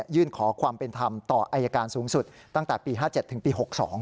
ยื่นขอความเป็นธรรมต่ออายการสูงสุดตั้งแต่ปี๕๗ถึงปี๖๒